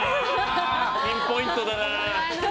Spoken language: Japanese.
ピンポイントだな。